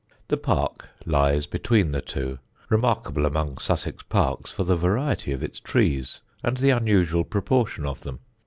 The park lies between the two, remarkable among Sussex parks for the variety of its trees and the unusual proportion of them.